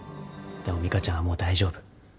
でも美香ちゃんはもう大丈夫。